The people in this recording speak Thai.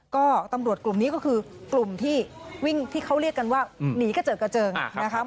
ก็ตำรวจกลุ่มนี้ก็คือกลุ่มที่วิ่งที่เขาเรียกกันว่าหนีกระเจิดกระเจิงนะครับ